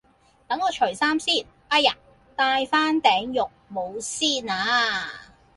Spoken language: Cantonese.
等我除衫先，哎呀戴返頂浴帽先吓